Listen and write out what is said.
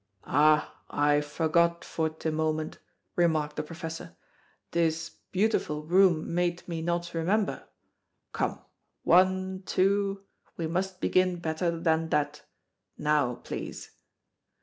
"Ah, I forgot for the moment," remarked the Professor; "this beautiful room made me not remember. Come one, two. We must begin better than that. Now, please."